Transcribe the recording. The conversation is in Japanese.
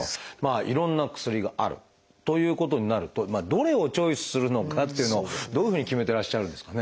いろんな薬があるということになるとどれをチョイスするのかっていうのをどういうふうに決めてらっしゃるんですかね。